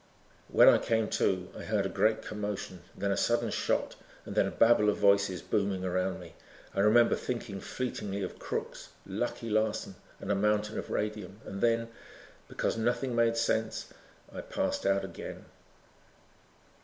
When I came to, I heard a great commotion, then a sudden shot and then a babble of voices booming around me. I remember thinking fleetingly of crooks, Lucky Larson and a mountain of radium and then because nothing made sense I passed out again.